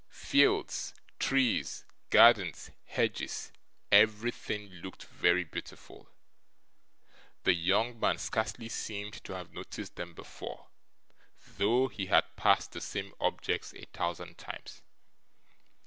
Fields, trees, gardens, hedges, everything looked very beautiful; the young man scarcely seemed to have noticed them before, though he had passed the same objects a thousand times.